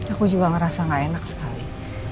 aku juga ngerasa gak enak sekali